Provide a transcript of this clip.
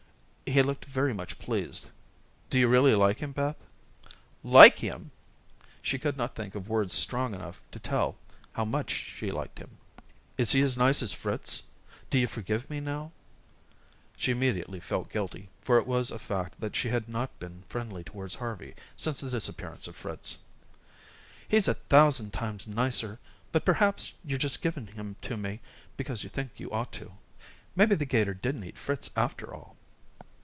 He looked very much pleased. "Do you really like him, Beth?" "Like him! " She could not think of words strong enough to tell how much she liked him. "Is he as nice as Fritz? Do you forgive me now?" She immediately felt guilty, for it was a fact that she had not been friendly towards Harvey since the disappearance of Fritz. "He's a thousand times nicer, but perhaps you're just giving him to me because you think you ought to. Maybe the 'gator didn't eat Fritz after all."